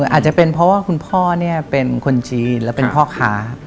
อาจจะเป็นเพราะว่าคุณพ่อเนี่ยเป็นคนจีนและเป็นพ่อค้า